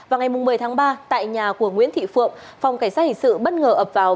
vào ngày một mươi tháng ba tại nhà của nguyễn thị phượng phòng cảnh sát hình sự bất ngờ ập vào